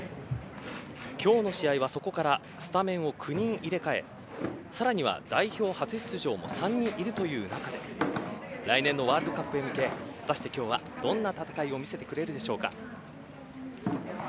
今日の試合はそこからスタメンを９人入れ替えさらには、代表初出場も３人いるという中で来年のワールドカップへ向け果たして今日はどんな戦いを見せてくれるでしょうか。